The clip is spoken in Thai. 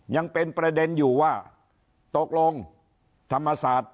ยังเป็นประเด็นอยู่ว่าตกลงธรรมศาสตร์